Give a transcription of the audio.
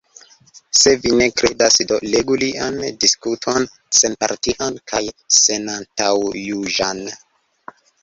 Se vi ne kredas, do legu lian diskuton senpartian kaj senantaŭjuĝan.